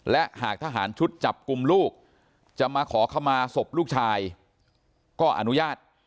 และหากทหารชุดจับกลุ่มลูกจะมาขอขมาศพลูกชายก็อนุญาต